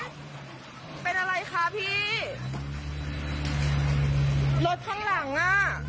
เป็นอะไรคะพี่รถข้างหลังอ่ะ